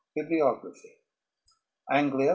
BIBLIOGRAPHY ANGLIA.